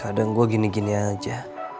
kadang gue gini gini aja